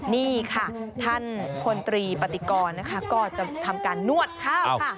นี่ค่ะท่านพลตรีปฏิกรนะคะก็จะทำการนวดข้าวค่ะ